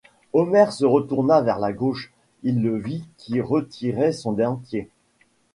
Omer se retourna vers la gauche : il le vit qui retirait son dentier.